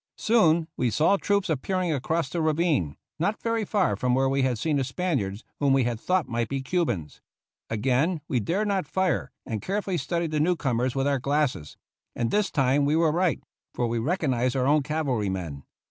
Soon we saw troops ap pearing across the ravine, not very far from where we had seen the Spaniards whom we had thought might be Cubans. Again we dared not fire, and carefully studied the new comers with our glasses ; and this time we were right, for we recognized our own cavalry men.